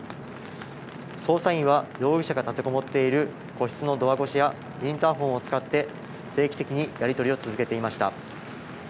捜査員は容疑者が立てこもっている個室のドア越しやインターフォンを使って、定期的にやり取りを続けていました。